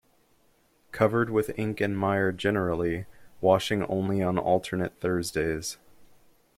Covered with ink and mire generally, washing only on alternate Thursdays.